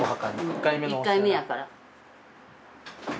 １回目やから。